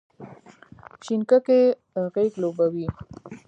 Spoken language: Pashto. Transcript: شینککۍ غیږ لوبوې،